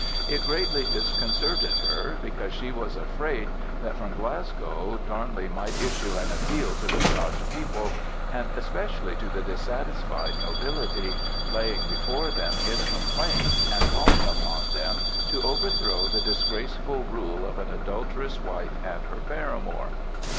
It greatly disconcerted her, because she was afraid that from Glasgow Darnley might issue an appeal to the Scotch people, and especially to the dissatisfied nobility, laying before them his complaints and calling upon them to overthrow the disgraceful rule of an adulterous wife and her paramour.